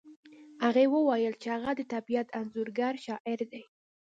هغې وویل چې هغه د طبیعت انځورګر شاعر دی